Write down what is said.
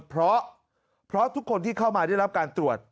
เพราะทุกคนที่เข้ามาได้รับการตรวจ